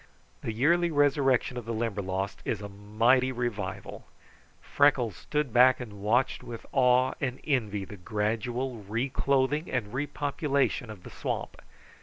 The yearly resurrection of the Limberlost is a mighty revival. Freckles stood back and watched with awe and envy the gradual reclothing and repopulation of the swamp.